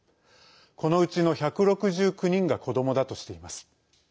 このうちの１６９人が子どもだとしています。